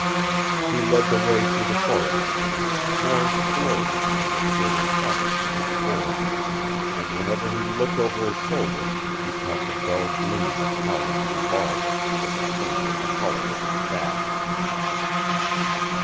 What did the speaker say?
He led the way through the forest again, more slowly and with greater caution than before, and whenever he looked over his shoulder he caught the dull gleam of Howland's revolver as it pointed at the hollow of his back.